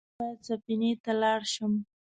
اوس بايد سفينې ته لاړ شم.